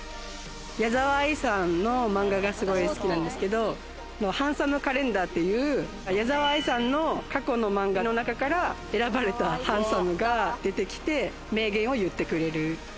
矢沢あいさんの漫画が、すごい好きなんですけど、ハンサムカレンダーっていう矢沢あいさんの過去の漫画の中から選ばれたハンサムが出てきて、名言を言ってくれる。